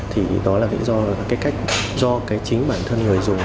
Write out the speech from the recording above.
thì đó là do cái cách do cái chính bản thân người dùng